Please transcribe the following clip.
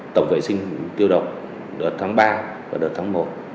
tổng vệ sinh tiêu độc đợt tháng ba và đợt tháng một